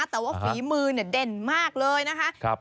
แต่ว่าฝีมือเนี่ยเด่นมากเลยนะคะ